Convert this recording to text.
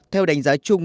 theo đánh giá chung